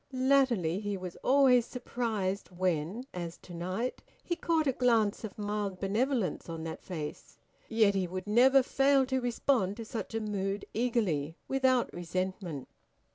Latterly he was always surprised when, as to night, he caught a glance of mild benevolence on that face; yet he would never fail to respond to such a mood eagerly, without resentment.